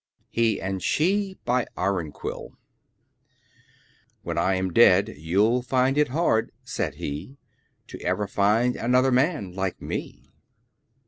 HE AND SHE BY IRONQUILL When I am dead you'll find it hard, Said he, To ever find another man Like me.